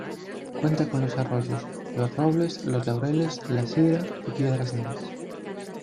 Cuenta con los arroyos: Los Robles, Los Laureles, La Sidra y Piedras Negras.